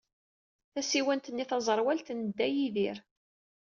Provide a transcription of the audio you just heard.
Tasiwant-nni taẓerwalt n Dda Yidir.